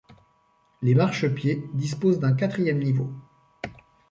Les marchepieds disposent d'un quatrième niveau.